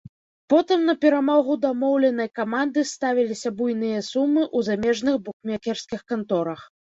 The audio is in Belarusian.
Потым на перамогу дамоўленай каманды ставіліся буйныя сумы ў замежных букмекерскіх канторах.